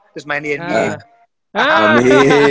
terus main di nba